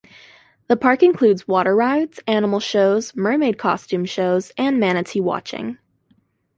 The park includes water rides, animal shows, mermaid costume shows, and manatee watching.